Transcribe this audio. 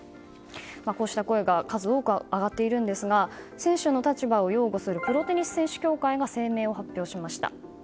こうした声が数多く上がっているんですが選手の立場を擁護するプロテニス選手協会が声明を発表しました。